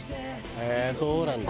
へえーそうなんだ。